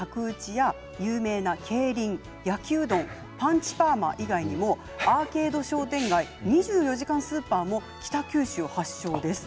今回の角打ちが有名な競輪焼きうどん、パンチパーマ以外にもアーケード商店街２４時間スーパーも北九州発祥場です。